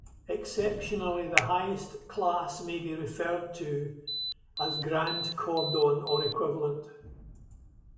Exceptionally, the highest class may be referred to as Grand Cordon or equivalent.